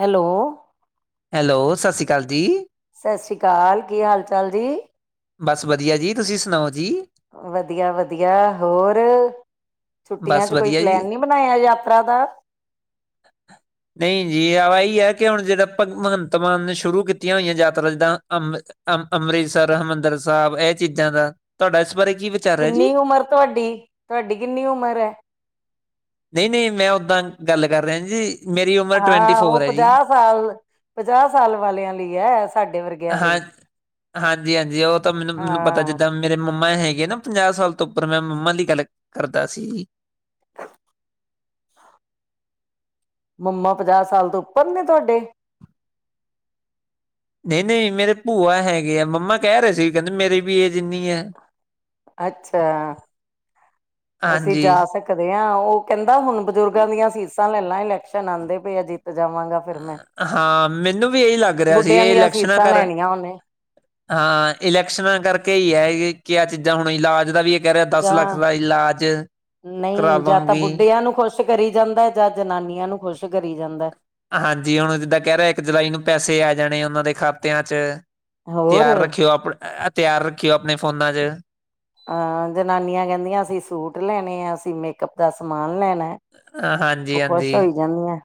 Hello, hello ਸਤਿ ਸ਼੍ਰੀ ਅਕਾਲ ਜੀ। ਸਤਿ ਸ਼੍ਰੀ ਅਕਾਲ ਜੀ, ਕੀ ਹਾਲ ਚਾਲ ਜੀ? ਬਸ ਵਧੀਆ ਜੀ, ਤੁਸੀ ਸੁਣਾਓ ਜੀ? ਵਧੀਆ-ਵਧੀਆ ਹੋਰ, ਛੁੱਟੀਆਂ ਬਸ 'ਚ ਕੋਈ ਵਧੀਆ ਜੀ ਪਲੈਨ ਨੀ ਬਣਾਇਆ ਯਾਤਰਾ ਦਾ [inaudible] ਨਈ ਜੀ ਆ ਵਹੀ ਐ ਕਿ ਹੁਣ ਜਿਹੜਾ ਭਗ ਭਗਵੰਤ ਮਾਨ ਨੇ ਸ਼ੁਰੂ ਕੀਤੀਆਂ ਹੋਈਆਂ ਯਾਤਰਾ ਜਿਦਾ ਅੰ ਅ ਅੰਮ੍ਰਿਤਸਰ ਹਰਿਮੰਦਰ ਸਾਹਿਬ ਇਹ ਚੀਜਾ ਦਾ ਤੁਹਾਡਾ ਇਸ ਬਾਰੇ ਕੀ ਵਿਚਾਰ ਹੈ ਜੀ ਕਿਨੀ ਉਮਰ ਤੁਹਾਡੀ? ਤੁਹਾਡੀ ਕਿਨੀ ਉਮਰ ਐ? ਨਈ-ਨਈ ਮੈ ਓਦਾ ਗੱਲ ਕਰ ਰਿਹਾ ਜੀ। ਮੇਰੀ ਉਮਰ ਟਵੰਟੀ ਹਾਂ ਉਹ ਫੋਰ ਹੈ ਜੀ ਪੰਜਾਹ ਸਾਲ ਪੰਜਾਹ ਸਾਲ ਵਾਲਿਆ ਲਈ ਐ ਸਾਡੇ ਵਰਗਿਆ ਲਈ ਹਾਂਜੀ-ਹਾਂਜੀ ਉਹ ਤਾਂ ਮੈਨੂੰ ਮੈਨੂੰ ਪਤਾ ਹਾਂ ਜਿਦਾ ਮੇਰੇ ਮੰਮਾ ਹੈਗੇ ਨਾ ਪੰਜਾਹ ਸਾਲ ਤੋ ਉਪਰ ਮੈ ਮੰਮਾ ਦੀ ਗੱਲ ਕਰਦਾ ਸੀ। ਮੰਮਾ ਪੰਜਾਹ ਸਾਲ ਤੋ ਉਪਰ ਨੇ ਤੁਹਾਡੇ? ਨਈ-ਨਈ ਮੇਰੇ ਭੂਆ ਹੈਗੇ ਆ ਮੰਮਾ ਕਹਿ ਰਹੇ ਸੀ ਕਹਿਦੇ ਮੇਰੀ ਵੀ ਏਜ ਇਨੀ ਐ। ਅੱਛਾ ਅਸੀ ਹਾਂਜੀ ਜਾ ਸਕ ਦੇ ਆ ਉਹ ਕਹਿਦਾ ਹੁਣ ਬਜ਼ੁਰਗਾਂ ਦੀਆ ਸੀਸਾ ਲੈਲਾ ਇਲੈਕਸ਼ਨ ਆਦੇ ਪਏ ਆ ਜਿਤ ਜਾਵਾਗਾ। ਹਾਂ ਮੈਨੂੰ ਵੀ ਇਹੀ ਲਗ ਰਿਹਾ ਸੀ ਬੁੱਢਿਆਂ ਇਹ ਦੀਆਂ ਇਲੈਕਸ਼ਨਾ ਸੀਸਾਂ ਕਰ ਲੈਣੀਆਂ ਉਹਨੇ ਹਾਂ ਇਲੈਕਸ਼ਨਾਂ ਕਰਕੇ ਈ ਏ ਕਿ ਆਹ ਚੀਜ਼ਾਂ ਹੁਣ ਇਲਾਜ ਦਾ ਵੀ ਕੈ ਰਿਆ ਦਸ ਲੱਖ ਜਾਂ ਦਾ ਇਲਾਜ ਕਰਾ ਨਹੀਂ ਜਾਂ ਤਾਂ ਦੁਗੀ ਬੁੱਢਿਆਂ ਨੂੰ ਖੁਸ਼ ਕਰੀ ਜਾਂਦਾ ਜਾਂ ਜਨਾਨੀਆਂ ਨੂੰ ਖੁਸ਼ ਕਰੀ ਜਾਂਦਾ ਹਾਂਜੀ ਹੁਨ ਜਿੱਦਾਂ ਕੈ ਰਿਆ ਇੱਕ ਜੁਲਾਈ ਨੂੰ ਪੈਸੇ ਆ ਜਾਨੇ ਉਹਨਾਂ ਦੇ ਖਾਤਿਆਂ ਚ ਹੋਰ ਤਿਆਰ ਰੱਖਿਓ ਆਪ ਤਿਆਰ ਰੱਖਿਓ ਆਪਨੇ ਫੋਨਾਂ ਚ ਅ ਜਨਾਨੀਆਂ ਕੈਦੀਆਂ ਅਸੀਂ ਸੂਟ ਲੈਨੇ ਆ ਅਸੀਂ ਮੇਕਅਪ ਦਾ ਸਮਾਨ ਲੈਨਾ ਹਾਂਜੀ ਓ ਖੋਸ਼ ਹਾਂਜੀ ਹੋਈ ਜਾਨੀਆ।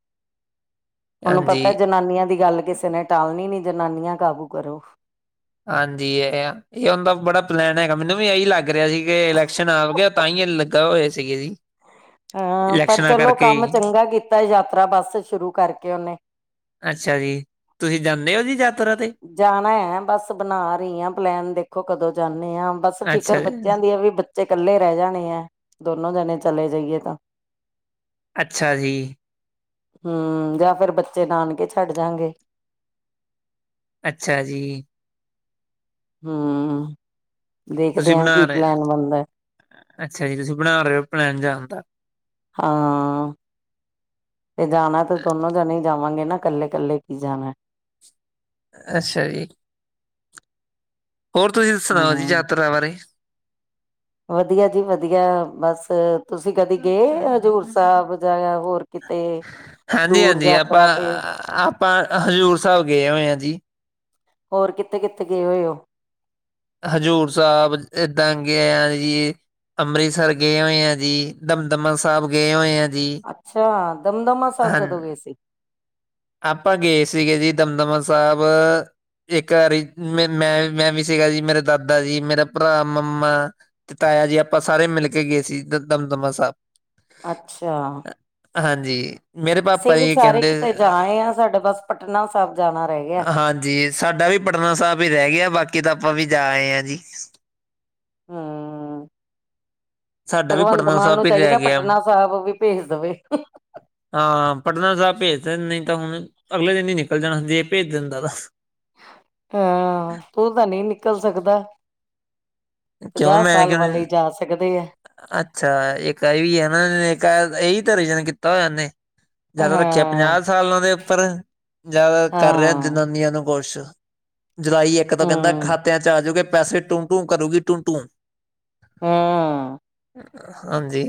ਓਨੂੰ ਪਤਾ ਹਾਂਜੀ ਜਨਾਨੀਆਂ ਦੀ ਗੱਲ ਕਿਸੇ ਨੇ ਟਾਲਨੀ ਨੀ, ਜਨਾਨੀਆਂ ਕਾਬੂ ਕਰੋ। ਹਾਂਜੀ, ਇਹ ਹੈ ਏ ਹੁੰਦਾ ਬੜਾ ਪਲੈਨ ਹੈਗਾ ਮੈਨੂੰ ਵੀ ਏ ਲੱਗ ਲੱਗ ਰਿਆ ਸੀ ਕੇ, ਇਲੈਕਸ਼ਨ ਆਉਗੇ ਤਾਂ ਈ ਏ ਲੱਗਾ ਹੋਏ ਸੀਗੇ ਜੀ। ਹਾਂ, ਪਰ ਇਲੈਕਸ਼ਨਾਂ ਚਲੋ ਕਰਕੇ ਕੰਮ ਹੀ ਚੰਗਾ ਕੀਤਾ ਯਾਤਰਾ ਬਸ ਸ਼ੁਰੂ ਕਰਕੇ ਓਨੇ। ਅੱਛਾ ਜੀ, ਤੁਸੀਂ ਜਾਂਨੇ ਓ ਜੀ ਯਾਤਰਾ ਤੇ। ਜਾਨਾ ਏ, ਬਸ ਬਨਾ ਰਈ ਆ ਪਲੈਨ ਦੇਖੋ ਕਦੋਂ ਜਾਂਨੇ ਆ ਬਸ ਫਿਕਰ ਅੱਛਾ ਜੀ ਬੱਚਿਆਂ ਦੀ ਆ ਵੀ ਬੱਚੇ ਕੱਲੇ ਰਹ ਜਾਨੇ ਏ ਦੋਨੋ ਜਨੇ ਚਲੇ ਜਾਈਏ ਤਾਂ। ਅੱਛਾ ਜੀ। ਹੂੰ, ਜਾਂ ਫੇਰ ਬੱਚੇ ਨਾਨਕੇ ਛੱਡ ਜਾਂਗੇ। ਅੱਛਾ ਜੀ। ਹੂੰ। ਦੇਖਦੇ ਤੁਸੀਂ ਕੀ ਬਨਾ ਰੇ ਆ, ਪਲੈਨ ਬਣਦਾ ਅੱਛਾ ਜੀ ਤੁਸੀਂ ਬਨਾ ਰੇ ਓ ਪਲੈਨ ਜਾਨ ਦਾ। ਹਾਂ। ਤੇ ਜਾਨਾ ਤੇ ਦੋਨੋ ਜਨੇ ਜਾਵਾਂਗੇ ਨਾ ਕੱਲੇ-ਕੱਲੇ ਕੀ ਜਾਨਾ। ਅੱਛਾ ਜੀ। ਹੋਰ ਤੁਸੀਂ ਸੁਣਾਓ ਜੀ ਹੂੰ ਯਾਤਰਾ ਬਾਰੇ। ਵਧੀਆ ਜੀ ਵਧੀਆ ਬਸ ਤੁਸੀਂ ਕਦੀ ਗਏ ਹਜ਼ੂਰ ਸਾਹਿਬ ਜਾਂ ਹੋਰ ਕਿਤੇ? ਦੂਰ ਹਾਂਜੀ-ਹਾਂਜੀ, ਆਪਾਂ ਯਾਤਰਾ ਤੇ ਆਪਾਂ ਹਜ਼ੂਰ ਸਾਬ ਗਏ ਹੋਏ ਆ ਜੀ। ਹੋਰ ਕਿੱਥੇ ਕਿੱਥੇ ਗਏ ਹੋਏ ਓ? ਹਜ਼ੂਰ ਸਾਹਿਬ ਏਦਾਂ ਗਏ ਆਜੀ। ਅੰਮ੍ਰਿਸਰ ਗਏ ਹੋਏ ਆ ਜੀ, ਦਮਦਮਾ ਸਾਬ ਗਏ ਹੋਏ ਆ ਜੀ। ਅੱਛਾ, ਦਮਦਮਾ ਸਾਬ ਹਾਂ ਕਦੋਂ ਗਏ ਸੀ? ਆਪਾਂ ਗਏ ਸੀਗੇ ਜੀ ਦਮਦਮਾ ਸਾਬ ਇੱਕ ਵਾਰੀ ਮੈਂ ਮੈਂ ਮੈਂਵੀ ਸੀਗਾ ਜੀ, ਮੇਰੇ ਦਾਦਾ ਜੀ, ਮੇਰਾ ਭਰਾ, ਮੰਮਾ ਤੇ ਤਾਇਆ ਜੀ ਆਪਾਂ ਸਾਰੇ ਮਿਲ ਕੇ ਗਏ ਸੀ ਦਮਦਮਾ ਸਾਬ। ਅੱਛਾ। ਹਾਂਜੀ, ਮੇਰੇ ਪਾਪਾ ਜੀ ਕਹਿੰਦੇ ਨਿ ਬਸ, ਸਾਡਾ ਬਸ ਪਟਨਾ ਸਾਬ ਜਾਨਾ ਰੇ ਹਾਂਜੀ, ਸਾਡਾ ਵੀ ਪਟਨਾ ਸਾਬ ਈ ਰੇ ਗਿਆ ਬਾਕੀ ਤਾਂ ਆਪਾਂ ਵੀ ਜਾ ਆਏ ਆ ਜੀ। ਹੂੰ। ਸਾਡਾ ਵੀ ਪਗਵੰਤ ਪਟਨਾ ਮਾਨ ਸਾਹਿਬ ਨੂੰ ਹੀ ਰਹਿ ਚਾਈਦਾ ਗਿਆ ਪਟਨਾ ਸਾਹਬ ਵੀ ਭੇਜ ਦਵੇ। ਹਾਂ, ਪਟਨਾ ਸਾਬ ਪੇਜ ਦੇ ਨੀਂ ਤਾਂ ਹੁਨ ਅਗਲੇ ਦਿਨ ਈ ਨਿਕਲ ਜਾਨਾ ਜੇ ਪੇਜ ਦੈਂਦਾ ਤਾਂ। ਹਾਂ, ਤੂੰ ਤਾਂ ਨੀਂ ਨਿਕਲ ਸਕਦਾ। ਕਿਉਂ ਪੰਜਾ ਮੈਂ ਸਾਲ ਕਿਉਂ ਵਾਲੇ ਹੀ ਨਹੀਂ ਜਾ ਸਕਦੇ ਏ। ਅੱਛਾ, ਇੱਕ ਏ ਵੀ ਏ ਨਾ ਐਈ ਤਾ ਰੀਜਨ ਕੀਤਾ ਹੋਇਆ ਇਹਨੇ। ਜਾ ਤਾ ਰੱਖਿਆ ਹਾਂ ਪੰਜਾ ਸਾਲਾ ਦੇ ਉੱਪਰ। ਜਾ ਕਰ ਰਿਆ ਹਾਂ ਜਨਾਨੀਆਂ ਨੂੰ ਖੁਸ਼। ਜੁਲਾਈ ਇੱਕ ਤਾਂ ਕਹੰਦਾ ਹੂੰ ਖਾਤਿਆਂ 'ਚ ਆ ਜੂਗੇ ਪੈਸੇ ਟੂੰ ਟੂੰ ਕਰੂਗੀ ਟੂੰ ਟੂੰ। ਹਾਂ। ਹਾਂਜੀ।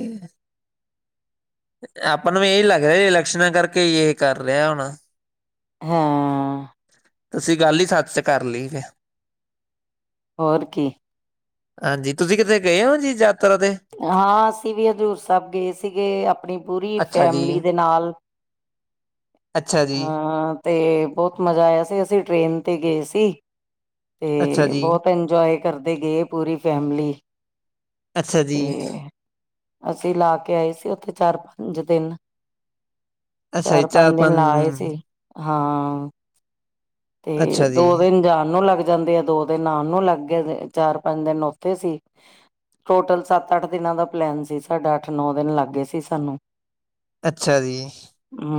ਆਪਾਂ ਨੂੰ ਏਹੀ ਲੱਗ ਰਿਆ ਇਲੈਕਸ਼ਨਾਂ ਕਰਕੇ ਯੇ ਕਰ ਰਿਆ ਹੋਨਾ। ਹਾਂ। ਅਸੀਂ ਗੱਲ ਹੀ ਸੱਚ ਚ ਕਰ ਲਈ ਫੇ ਹੋਰ ਕੀ। ਹਾਂਜੀ ਤੁਸੀਂ ਕਿਧਰੇ ਗਏ ਓ ਜੀ ਯਾਤਰਾ ਤੇ? ਹਾਂ, ਅਸੀਂ ਵੀ ਹਜੂਰ ਸੈਬ ਗਏ ਸੀਗੇ ਆਪਨੀ ਪੂਰੀ ਅੱਛਾ ਜੀ ਫੈਮਿਲੀ ਦੇ ਨਾਲ। ਅੱਛਾ ਜੀ ਹਾਂ ਤੇ ਬੋਤ ਮਜਾ ਆਇਆ ਸੀ। ਅਸੀਂ ਟ੍ਰੇਨ ਤੇ ਗਏ ਸੀ। ਅੱਛਾ ਤੇ ਜੀ ਬੋਤ ਇੰਜੋਏ ਕਰਦੇ ਗੇ ਓ ਪੂਰੀ ਫੈਮਲੀ। ਅੱਛਾ ਜੀ। ਤੇ ਅਸੀਂ ਲਾ ਕੇ ਆਏ ਸੀ ਉੱਥੇ ਚਾਰ-ਪੰਜ ਦਿਨ। ਅਸਾ ਜੀ, ਚਾਰ ਪੰਜ ਦਿਨ ਚਾਰ-ਪੰਜ ਲਾ ਆਏ ਸੀ ਹੰ ਹਾਂ, ਤੇ ਅੱਛਾ ਜੀ ਦੋ ਦਿਨ ਜਾਨ ਨੂੰ ਲੱਗ ਜਾਂਦੇ ਆ, ਦੋ ਦਿਨ ਆਨ ਨੂੰ ਲੱਗ ਗੇ ਦੇ, ਚਾਰ ਪੰਜ ਦਿਨ ਓਥੇ ਸੀ। ਟੋਟਲ ਸੱਤ-ਅੱਠ ਦਿਨਾਂ ਦਾ ਪਲੈਨ ਸੀ ਸਾਡਾ। ਅੱਠ-ਨੌ ਦਿਨ ਲੱਗ ਗੇ ਸੀ ਸਾਨੂੰ। ਅੱਛਾ ਜੀ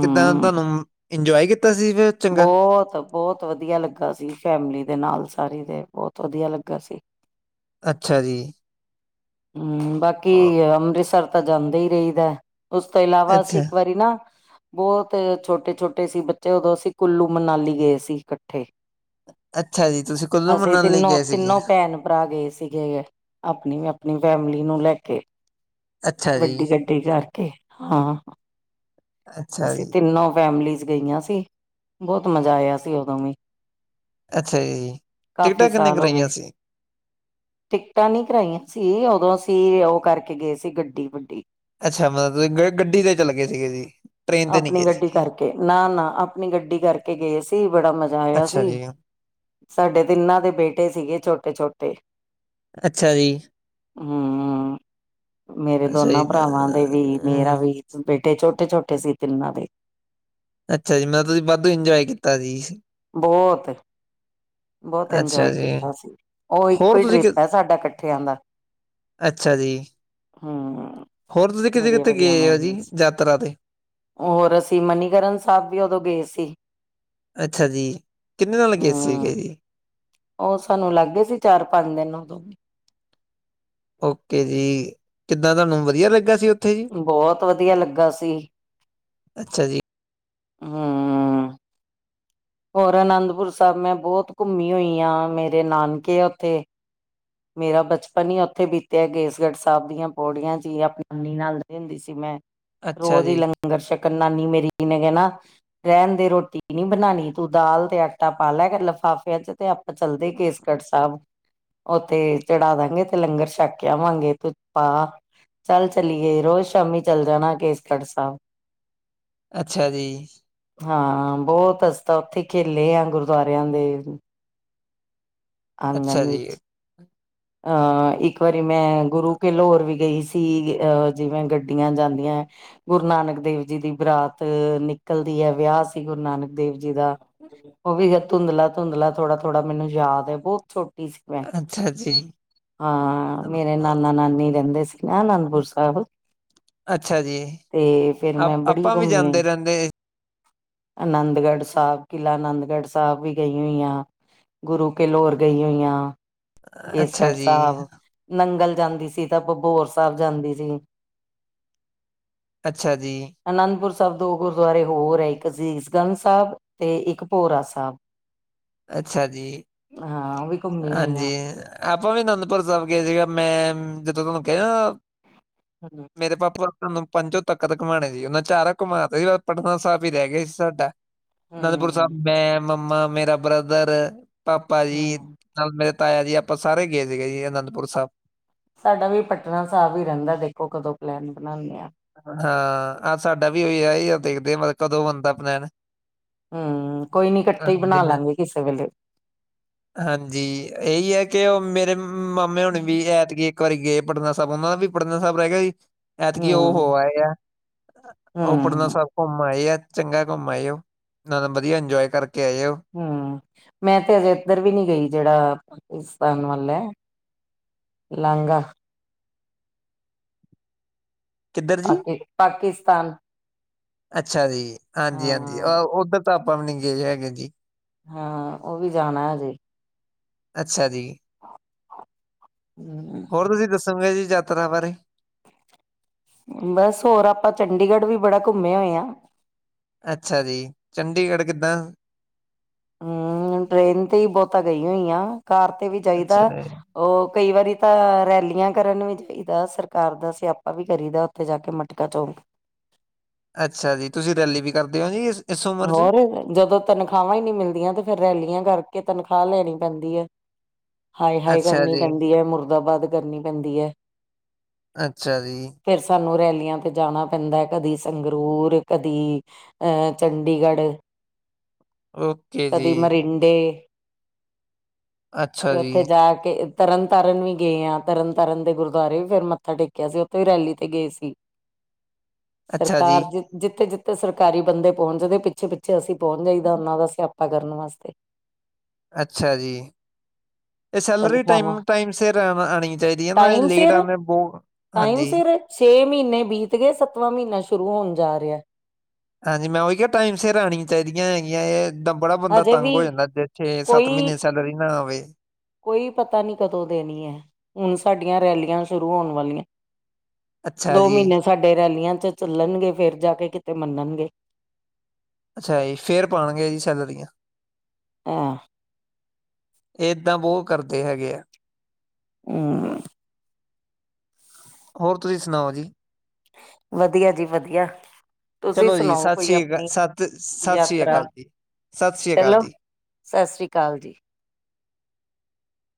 ਕਿੱਦਾਂ ਦਾ ਤੁਆਨੂੰ, ਇੰਜੋਏ ਕੀਤਾ ਸੀ ਫਿਰ। ਚੰਗਾ ਬੋਤ, ਬੋਤ ਵਧੀਆ ਲੱਗਾ ਸੀ ਫੈਮਿਲੀ ਦੇ ਨਾਲ ਸਾਰੀ ਦੇ, ਬੋਤ ਵਧੀਆ ਲੱਗਾ ਸੀ। ਅੱਛਾ ਜੀ। ਹੂੰ, ਬਾਕੀ ਓ ਅੰਮ੍ਰਿਤਸਰ ਤਾਂ ਜਾਂਦੇ ਈ ਰਈਦੈ। ਉਸ ਤੋਂ ਇਲਾਵਾ ਅਸੀਂ ਅੱਛਾ ਇੱਕ ਵਾਰੀ ਨਾ ਬੋਤ ਅ ਛੋਟੇ-ਛੋਟੇ ਸੀ ਬੱਚੇ ਓਦੋਂ ਅਸੀ ਕੁੱਲੂ-ਮਨਾਲੀ ਗਏ ਸੀ ਕੱਠੇ। ਅੱਛਾ ਜੀ ਤੁਸੀਂ ਕੁੱਲੂ ਅਸੀਂ ਮਨਾਲੀ ਲਈ ਤਿੰਨੋ, ਗਏ ਸੀਗੇ ਤਿੰਨੋ ਭੈਣ-ਭਰਾ ਗਏ ਸੀਗੇ ਆਪਨੀ-ਆਪਨੀ ਫੈਮਲੀ ਨੂੰ ਲੈ ਕੇ। ਅੱਛਾ ਜੀ ਵੱਡੀ ਗੱ ਡੀ ਕਰਕੇ, ਹਾਂ। ਅੱਛਾ ਅਸੀਂ ਜੀ ਤਿੰਨੋ ਫੈਮਲੀਜ਼ ਗਈਆਂ ਸੀ। ਬੋਤ ਮਜਾ ਆਇਆ ਸੀ, ਓਦੋਂ ਵੀ। ਅੱਛਾ ਜੀ। ਟਿਕਟਾਂ ਕਾਫੀ ਕਿੰਨੇ ਸਾਲ ਹੋ ਕਰਾਈਆਂ ਗਏ ਸੀ? ਟਿਕਟਾਂ ਨੀ ਕਰਾਈਆਂ ਸੀ, ਓਦੋਂ ਅਸੀਂ ਓ ਕਰਕੇ ਗਏ ਸੀ ਗੱਡੀ ਵੱਡੀ। ਅੱਛਾ ਮਤਲਬ ਗ ਗੱਡੀ ਤੇ ਚਲ ਗਏ ਸੀਗੇ ਜੀ। ਟ੍ਰੇਨ ਤੇ ਨਹੀਂ ਆਪਨੀ ਗਏ ਗੱਡੀ ਸੀਗੇ ਕਰਕੇ। ਨਾ-ਨਾ ਆਪਨੀ ਗੱਡੀ ਕਰਕੇ ਗਏ ਸੀ, ਬੜਾ ਮਜਾ ਆਇਆ ਅੱਛਾ ਸੀ। ਜੀ ਸਾਡੇ ਤਿੰਨਾਂ ਦੇ ਬੇਟੇ ਸੀਗੇ ਛੋਟੇ-ਛੋਟੇ। ਅੱਛਾ ਜੀ। ਹੂੰ, ਮੇਰੇ ਅੱਛਾ ਜੀ ਦੋਨਾਂ ਭਰਾਵਾਂ ਦੇ ਵੀ, ਮੇਰਾ ਅਮ, ਵੀ। ਬੇਟੇ ਛੋਟੇ-ਛੋਟੇ ਸੀ ਤਿੰਨਾਂ ਦੇ। ਅੱਛਾ ਜੀ ਮਤਲਬ ਤੁਈ ਵਾਧੂ ਇੰਜੋਏ ਕੀਤਾ ਸੀ। ਬੋਹੋਤ, ਬੋਤ ਅੱਛਾ ਇੰਜੋਏ ਜੀ ਕੀਤਾ ਸੀ। ਓ ਇੱਕੋ ਹੋਰ ਈ ਤੁਸੀਂ ਕਿ ਟ੍ਰਿਪ ਐ ਸਾਡਾ ਕੱ ਠਿਆਂ ਦਾ। ਅੱਛਾ ਜੀ। ਹੂੰ। ਹੋਰ ਤੁਸੀਂ ਕਿਤੇ ਬੜੀਆ ਕਿੱਥੇ ਗੇ ਵਧੀਆ ਓ ਜੀ ਮੈਮਰੀਜ਼ ਯਾਤਰਾ ਤੇ? ਹੋਰ ਅਸੀਂ ਮਨੀਕਰਨ ਸਾਬ ਵੀ ਓਦੋਂ ਗੇ ਸੀ। ਅੱਛਾ ਜੀ। ਕਿੰਨੇ ਨਾਲ ਲੱਗੇ ਸੀਗੇ ਜੀ। ਓ ਸਾਨੂੰ ਲੱਗ ਗਏ ਸੀ ਚਾਰ-ਪੰਜ ਦਿਨ ਓਦੋਂ ਓਕੇ ਜੀ। ਕਿੱਦਾਂ ਤੁਆਨੂੰ ਵਧੀਆ ਲੱਗਾ ਸੀ ਉੱਥੇ ਜੀ ਬੋਹੋਤ ਵਧੀਆ ਲੱਗਾ ਸੀ। ਅੱਛਾ ਜੀ। ਹੂੰ। ਹੋਰ ਅਨੰਦਪੁਰ ਸਾਬ ਮੈਂ ਬੋਤ ਘੁੰਮੀ ਹੋਈ ਆਂ। ਮੇਰੇ ਨਾਨਕੇ ਆ ਓਥੇ। ਮੇਰਾ ਬਚਪਨ ਈ ਓਥੇ ਬੀਤਿਆ ਕੇਸਗੜ੍ਹ ਸਾਬ ਦੀਆਂ ਪੌੜੀਆਂ 'ਚ ਈ। ਆਪਨੀ [unintelligible] ਨਾਲ ਰ ਏਂਦੀ ਸੀ ਮੈਂ। ਅੱਛਾ ਰੋਜ ਈ ਜੀ ਲੰਗਰ ਸ਼ੱਕਨ ਨਾਨੀ ਮੇਰੀ ਨੇ ਕੈਨਾ ਰਹਿਣ ਦੇ ਰੋਟੀ ਨੀ ਬਣਾਣੀ ਤੂੰ ਦਾਲ਼ ਤੇ ਆਟਾ ਪਾ ਲਿਆ ਕਰ ਲਿਫਾਫਿਆਂ ਚ ਤੇ ਆਪ ਚੱਲਦੇ ਕੇਸਗੜ੍ਹ ਸਾਬ। ਉੱਥੇ ਚੜਾ ਦਾਂਗੇ ਤੇ ਲੰਗਰ ਛੱਕ ਆਵਾਂਗੇ ਤੂੰ ਪਾ। ਚੱਲ ਚਲੀਏ, ਰੋਜ਼ ਸ਼ਾਮੀ ਚੱਲ ਜਾਨਾ, ਕੇਸਗੜ੍ਹ ਸਾਬ। ਅੱਛਾ ਜੀ। ਹਾਂ, ਬਹੁਤ ਅਸੀ ਤਾ ਉੱਥੇ ਖੇਲੇ ਆ ਗੁਰਦੁਆਰਿਆਂ ਦੇ ਅੱਛਾ ਆਂਗਨ ਜੀ, ਵਿੱਚ, ਹਾਂ ਇੱਕ ਵਾਰੀ ਮੈਂ ਗੁਰੂ ਕੇ ਲਹੋਰ ਵੀ ਗਈ ਸੀ, ਅ ਜਿਵੇਂ ਗੱਡੀਆਂ ਜਾਂਦੀਆਂ ਐ। ਗੁਰੂ ਨਾਨਕ ਦੇਵ ਜੀ ਦੀ ਬਰਾਤ ਨਿਕਲਦੀ ਐ, ਵਿਆਹ ਸੀ ਗੁਰੂ ਨਾਨਕ ਦੇਵ ਜੀ ਦਾ ਉਹ ਵੀ ਜਦ ਧੂੰਦਲਾ- ਧੂੰਦਲਾ ਥੋੜਾਂ- ਥੋੜਾਂ ਮੈਂਨੂੰ ਯਾਦ ਆ, ਬਹੁਤ ਛੋਟੀ ਸੀ। ਮੈਂ ਅੱਛਾ ਜੀ। ਹਾਂ, ਅਮ, ਮੇਰੇ ਨਾਨਾ- ਨਾਨੀ ਰਹਿੰਦੇ ਸੀ ਨਾ ਅਨੰਦਪੁਰ ਸਾਬ। ਅੱਛਾ ਜੀ, ਤੇ ਫੇਰ ਮੈਂ ਆਪ ਬੜੀ ਆਪਾਂ ਵੀ ਘੁੰਮੀ। ਜਾਂਦੇ ਰਹਿੰਦੇ, ਆਨੰਦਗੜ੍ਹ ਸਾਬ, ਕਿਲ੍ਹਾ ਆਨੰਦਗੜ੍ਹ ਸਾਬ ਵੀ ਗਈ ਹੋਈ ਆ। ਗੁਰੂ ਕੇ ਲਹੋਰ ਗਈ ਹੋਈ ਆਂ, ਕੇਸਗੜ ਅੱਛਾ ਜੀ। ਸਾਬ। ਨੰਗਲ ਜਾਂਦੀ ਸੀ, ਤਾਂ ਬਬੋਰ ਸਾਬ ਜਾਂਦੀ ਸੀ। ਅੱਛਾ ਜੀ। ਅਨੰਦਪੁਰ ਸਾਹਿਬ ਦੋ ਗੁਰਦੁਆਰੇ ਹੋਰ ਐ, ਇੱਕ ਸੀਸ ਗੰਜ ਸਾਬ ਤੇ ਇੱਕ ਭੋਰਾ ਸਾਬ। ਅੱਛਾ ਜੀ, ਹਾਂ ਉਹ ਵੀ ਘੁੰਮੀ ਹੋਈ ਹਾਂ ਹਾਂਜੀ। ਆਪਾਂ ਵੀ ਅਨੰਦਪੁਰ ਸਾਬ ਗਏ ਸੀਗੇ, ਮੈਂ ਜਦੋਂ ਤੁਹਾਨੂੰ ਕਿਹਾ [unintelligible] ਮੇਰੇ ਪਾਪਾ ਸਾਂਨੂੰ ਪੰਚੋ ਤਖਤ ਘੁਮਾਨ ਗੇ, ਉਹਨਾਂ ਚਾਰਾ ਘੁਮਾਤੇ ਸੀ, ਬਸ ਪਟਨਾ ਸਾਹਿਬ ਹੀ ਰਹਿ ਗਿਆਂ ਸੀ ਸਾਡਾ ਅਨੰਦਪੁਰ ਹਮ ਸਾਹਿਬ ਮੈਂ, ਮੰਮਾ, ਮੇਰਾ ਬ੍ਰਦਰ, ਪਾਪਾ ਜੀ ਹਮ ਨਾਲ ਮੇਰੇ ਤਾਇਆ ਜੀ ਆਪਾਂ ਸਾਰੇ ਗਏ ਸੀਗੇ ਜੀ ਅਨੰਦਪੁਰ ਸਾਹਿਬ। ਸਾਡਾ ਵੀ ਪਟਨਾ ਸਾਹਿਬ ਹੀ ਰਹਿੰਦਾਂ, ਦੇਖੋਂ ਕਦੋਂ ਪਲੈਨ ਬਨਾਣੇ। ਆਹ ਅ ਸਾਡਾ ਵੀ ਅਹੀਓ ਦੇਖਦੇ ਆ ਮਤਲਬ ਕਦੋਂ ਬਣਦਾ ਪਲੈਨ ਹੂੰ, ਕੋਈ ਨੀ ਇਕੱਠੇ ਹੀ ਹਾਂਜੀ, ਬਨਾ ਹਾਂ ਲਾਂਗੇ ਕਿਸੇ ਵੇਲੇ। ਹਾਂਜੀ, ਇਹੀ ਐ ਕਿ ਉਹ ਮੇਰੇ ਮਾਮੇ ਹੁਨੀ ਵੀ ਐਤਕੀਂ ਇੱਕ ਵਾਰੀ ਗਏ, ਪਟਨਾ ਸਾਹਿਬ ਉਨਾਂ ਦਾ ਵੀ ਪਟਨਾ ਸਾਹਿਬ ਰਹਿ ਗਿਆਂ ਜੀ। ਐਤਕੀ ਓ ਹਮ ਹੋ ਆਏਂ ਐ, ਓ ਹਮ ਪਟਨਾ ਸਾਬ ਘੁੰਮ ਆਏ ਆ, ਚੰਗਾ ਘੁੰਮ ਆਏ ਓ ਨਾਲੇ ਵਧੀਆ ਇੰਜੋਏ ਕਰਕੇ ਆਏ ਓ। ਹੂੰ, ਮੈਂ ਤੇ ਹਜੇ ਏਧਰ ਵੀ ਨੀ ਗਈ, ਜਿਹੜਾ ਪਾਕਿਸਤਾਨ ਵੱਲ ਆ। ਲਾਨਗਾ। ਕਿੱਧਰ ਜੀ ਪਾਕੀ ਪਾਕਿਸਤਾਨ ਅੱਛਾ ਜੀ, ਹਾਂਜੀ- ਹਾਂਜੀ‌ ਓ ਹਾਂ ਉੱਧਰ ਤਾਂ ਆਪਾਂ ਵੀ ਨੀਂ ਗਏ ਹੈਗੇ ਜੀ। ਹਾਂ, ਉਵੀ ਜਾਨਾਂ ਹਜੇ ਅੱਛਾ ਜੀ। ਹੂੰ। ਹੋਰ, ਤੁਸੀਂ ਦੱਸੋ ਭੈਜੀ ਯਾਤਰਾ ਬਾਰੇ ਬੱਸ, ਹੋਰ ਆਪਾਂ ਚੰਡੀਗੜ੍ਹ ਵੀ ਬੜਾ ਘੁੰਮੇ ਹੋਏ ਆ। ਅੱਛਾ ਜੀ, ਚੰਡੀਗੜ੍ਹ ਕਿੱਦਾਂ ਹੂੰ, ਟ੍ਰਰੇਨ ਤੇ ਹੀ ਬਹੁਤਾ ਗਈ ਹੋਈ ਆਂ, ਕਾਰ ਤੇ ਵੀ ਜਾਈਦਾ। ਅੱਛਾ ਜੀ ਓ ਕਈ ਵਾਰੀ ਤਾਂ ਰੈਲੀਆਂ ਕਰਨ ਵੀ ਜਾਈਦਾ, ਸਰਕਾਰ ਦਾ ਸਿਆਪਾ ਵੀ ਕਰੀਦਾ। ਉੱਥੇ ਜਾਕੇ ਮਟਕਾ ਚੋਂਕ ਅੱਛਾ ਜੀ, ਤੁਸੀਂ ਰੈਲੀ ਵੀ ਕਰਦੇ ਹੋ ਜੀ। ਇਸ ਉਮਰ 'ਚ ਹੋਰ ਜਦੋਂ ਤਨਖਾਵਾਂ ਈ ਨਈ ਮਿਲਦੀਆਂ, ਤੇ ਫੇਰ ਰੈਲੀਆਂ ਕਰਕੇ ਤਨਖਾਹ ਲੈਨੀ ਪੈਂਦੀ ਏ। ਹਾਏ-ਹਾਏ ਅੱਛਾ ਕਰਨੀ ਜੀ ਪੈਂਦੀ ਏ, ਮੁਰਦਾਬਾਦ ਕਰਨੀ ਪੈਂਦੀ ਏ। ਅੱਛਾ ਜੀ। ਫੇਰ ਸਾਨੂੰ ਰੈਲੀਆਂ ਤੇ ਜਾਨਾ ਪੈਂਦਾ। ਕਦੀ ਸੰਗਰੂਰ ਕਦੀ ਅ ਚੰਡੀਗੜ੍ਹ, ਓਕੇ ਕਦੀ ਜੀ ਮਰਿੰਡੇ ਅੱਛਾ ਤੇ ਜੀ, ਔਥੇ ਜਾ ਕੇ ਏ ਤਰਨ ਤਾਰਨ ਵੀ ਗਏ ਆਂ। ਤਰਨ ਤਾਰਨ ਦੇ ਗੁਰਦੁਆਰੇ ਵੀ ਫੇਰ ਮੱਥਾ ਟੇਕਿਆ ਸੀ। ਔਥੇ ਵੀ ਰੈਲੀ ਤੇ ਗਏ ਸੀ। ਅੱਛਾ ਜੀ, ਸਰਕਾਰ ਜੇ ਜਿੱਥੇ-ਜਿੱਥੇ ਸਰਕਾਰੀ ਬੰਦੇ ਪੌਂਚਦੇ ਪਿੱਛੇ- ਪਿੱਛੇ ਔਥੇ ਅਸੀਂ ਪਹੁੰਚ ਜਾਈਦਾ, ਓਹਨਾਂ ਦਾ ਸਿਆਪਾ ਕਰਨ ਵਾਸਤੇ। ਅੱਛਾ ਜੀ ਏ ਸੈਲਰੀ ਤਨਖਾਹਾਂ ਟਾਈਮ ਟਾਈਮ ਸਿਰ ਆਣਾ ਆਨੀ ਚਾਈਦੀ ਏ ਨਾ। ਐ ਟਾਈਮ ਲੇਟ ਸਿਰ ਆਵੇਂ ਬੋਤ ਟਾਈਮ ਹਾਂਜੀ ਸਿਰ ਛੇ ਮੀਨੇ ਬੀਤ ਗਏ ਸੱਤਵਾਂ ਮੀਨਾ ਸ਼ੁਰੂ ਹੋਨ ਜਾ ਰਿਆ। ਹਾਂਜੀ ਮੈਂ ਔਈ ਕਿਆ ਟਾਈਮ ਸਿਰ ਆਣੀ ਚਾਹੀਦੀਆਂ ਹੈਗੀਆਂ ਐਹ ਦਮ ਬੜਾ ਬੰਦਾ ਹਜੇ ਤੰਗ ਵੀ ਹੋ ਜਾਂਦੈ ਜੇ ਛੇ ਸੱਤ ਕੋਈ ਮੀਨੇ ਸੈਲਰੀ ਨਾ ਆਵੇ। ਕੋਈ ਪਤਾ ਨੀ ਕਦੋਂ ਦੇਨੀਐਂ। ਹੁਨ ਸਾਡੀਆਂ ਰੈਲੀਆਂ ਸ਼ੁਰੂ ਹੋਨ ਵਾਲੀਐਂ। ਅੱਛਾ ਦੋ ਜੀ, ਮੀਨੇ ਸਾਡੇ ਰੈਲੀਆਂ ਚ ਚੱਲਨਗੇ ਫੇਰ ਜਾ ਕੇ ਕਿਤੇ ਮਨਨਗੇ। ਅੱਛਾ ਜੀ, ਫੇਰ ਪਾਨਗੇ ਜੀ ਸੈਲਰੀਆਂ। ਹਾਂ ਏਦਾਂ ਬੋਤ ਕਰਦੇ ਹੈਗੇ ਐ। ਹੂੰ ਹੋਰ ਤੁਸੀਂ ਸੁਨਾਔ ਜੀ ਵਦੀਆ ਜੀ ਵਦੀਆ। ਤੁਸੀਂ ਚਲੋ ਜੀ ਸੁਨਾਔ ਸਤਿ ਕੋਈ ਸ੍ਰੀ ਅਕਾਲ ਆਪਨੀ, ਸਤਿ ਸਤਿ ਸ੍ਰੀ ਯਾਤਰਾ, ਅਕਾਲ ਜੀ, ਸਤਿ ਸ੍ਰੀ ਅਕਾਲ ਚਲੋ ਜੀ। ਸੱਸ ਸ੍ਰੀ ਕਾਲ ਜੀ।